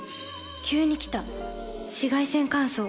急に来た紫外線乾燥。